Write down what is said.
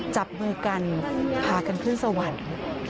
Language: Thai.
จับมือกันพากันขึ้นสวรรค์